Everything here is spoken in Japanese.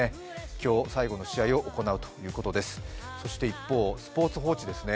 今日、最後の試合を行うということです、そして一方、「スポーツ報知」ですね。